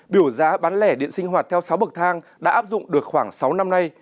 biểu giá bán lẻ điện sinh hoạt theo sáu bậc thang đã áp dụng được khoảng sáu năm nay